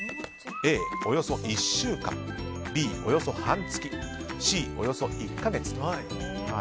Ａ、およそ１週間Ｂ、およそ半月Ｃ、およそ１か月。